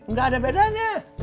nggak ada bedanya